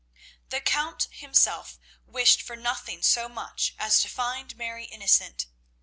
The Count himself wished for nothing so much as to find Mary innocent.